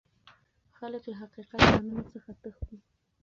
خلک له حقيقت منلو څخه تښتي.